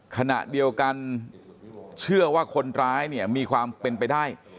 ขณะเดียวกันเชื่อว่าคนร้ายเนี่ยมีความเป็นไปได้